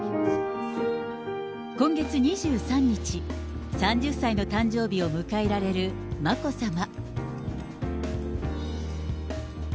今月２３日、３０歳の誕生日を迎えられる眞子さま。